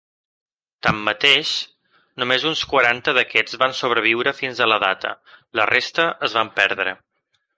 Tanmateix, només uns quaranta d'aquests van sobreviure fins a la data, la resta es van perdre.